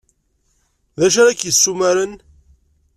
D acu ara k-yessumaren?